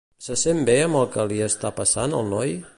Se sent bé amb el que li està passant al noi?